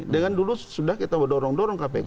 dengan dulu sudah kita dorong dorong kpk